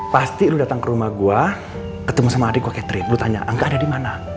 pasti lo datang ke rumah gua ketemu sama adik gua catherine lo tanya angga ada dimana